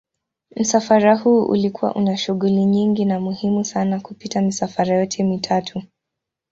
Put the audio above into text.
Msafara huu ulikuwa una shughuli nyingi na muhimu sana kupita misafara yote mitatu.